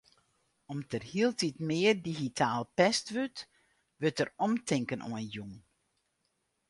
Om't der hieltyd mear digitaal pest wurdt, wurdt dêr omtinken oan jûn.